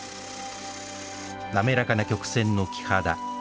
なめらかな曲線の木肌。